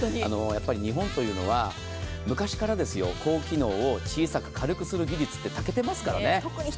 日本というのは昔から高機能を小さく軽くする技術に長けていますからね。